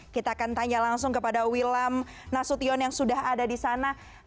kita akan tanya langsung kepada wilam nasution yang sudah ada di sana